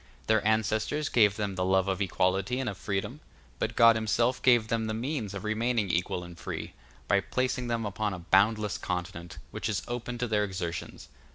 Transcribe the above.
Their ancestors gave them the love of equality and of freedom, but God himself gave them the means of remaining equal and free, by placing them upon a boundless continent, which is open to their exertions.